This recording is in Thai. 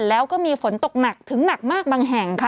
แล้วก็มีฝนตกหนักถึงหนักมากบางแห่งค่ะ